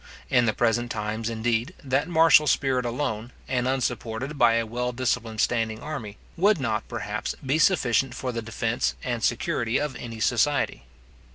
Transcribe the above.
In the present times, indeed, that martial spirit alone, and unsupported by a well disciplined standing army, would not, perhaps, be sufficient for the defence and security of any society.